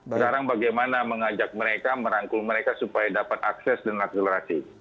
sekarang bagaimana mengajak mereka merangkul mereka supaya dapat akses dan akselerasi